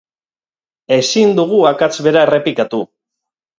Ezin dugu akats bera errepikatu.